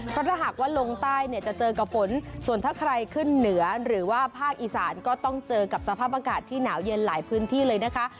เพราะถ้าหากว่าลงใต้เนี่ยจะเจอกับฝนส่วนถ้าใครขึ้นเหนือหรือว่าภาคอีสานก็ต้องเจอกับสภาพอากาศที่หนาวเย็นหลายพื้นที่เลยนะคะ